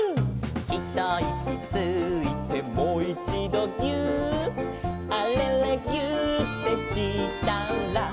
「ひといきついてもいちどぎゅーっ」「あれれぎゅーってしたら」